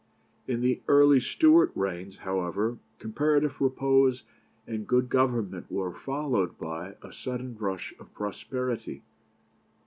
In the early Stuart reigns, however, comparative repose and good government were followed by a sudden rush of prosperity.